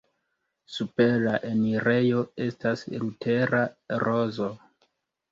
Super la enirejo estas Lutera rozo.